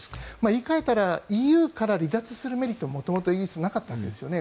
言い換えたらＥＵから離脱するメリットが元々、イギリスはなかったんですね。